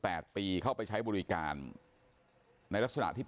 ตอนนี้กำลังจะโดดเนี่ยตอนนี้กำลังจะโดดเนี่ย